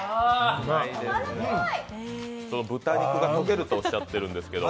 豚肉が溶けるっておっしゃってるんですけど。